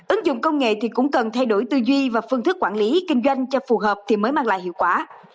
ứng dụng công nghệ thì cũng cần thay đổi tư duy và phương thức quản lý kinh doanh cho phù hợp thì mới mang lại hiệu quả